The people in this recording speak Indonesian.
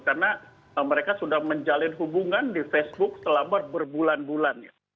karena mereka sudah menjalin hubungan di facebook selama berbulan bulannya